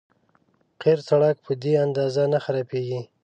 قیر سړک په دې اندازه نه خرابېږي.